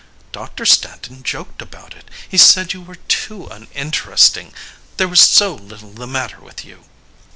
Doctor Stanton joked about it. He said you were too uninteresting there was so little the matter with you.